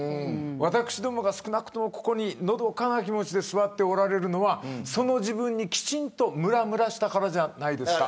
私どもが少なくともここに、のどかな気持ちで座っておられるのはその自分に、きちんとむらむらしたからじゃないですか。